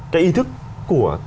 cái ý thức của